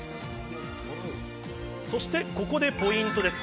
そして、ここでポイントです。